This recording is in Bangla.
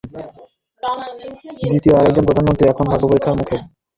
সেই ব্রেক্সিট নিয়েই কনজারভেটিভ পার্টির দ্বিতীয় আরেকজন প্রধানমন্ত্রী এখন ভাগ্যপরীক্ষার মুখে।